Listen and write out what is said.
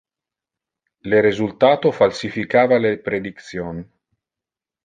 Le resultato falsificava le prediction.